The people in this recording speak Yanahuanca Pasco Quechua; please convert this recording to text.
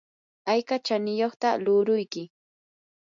¿ayka chaniyuqtaq luuruyki?